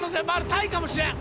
タイかもしれん。